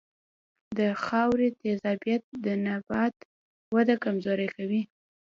د خاورې تیزابیت د نبات وده کمزورې کوي.